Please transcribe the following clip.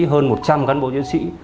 hơn một trăm linh cán bộ nhân sỹ